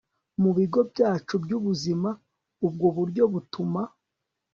mu bigo byacu byubuzima Ubwo buryo butuma